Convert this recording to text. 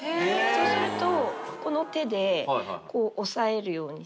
そうすると。